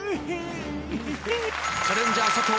チャレンジャー佐藤